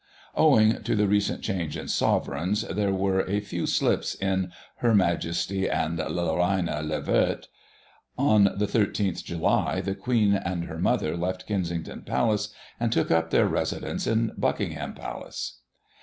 Owing to the recent change in Sovereigns, there were a few slips in " Her Majesty," and "La Reine le veult." On the 13th July the Queen and her mother left Kensington Palace and took up their residence in Buckingham Palace.